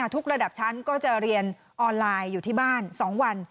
ระดับชั้นก็จะเรียนออนไลน์อยู่ที่บ้าน๒วัน